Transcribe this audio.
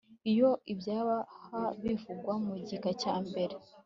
iyo ibyaha bivugwa mu gika cya mbere